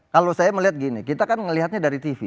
kalau saya melihat gini kita kan melihatnya dari tv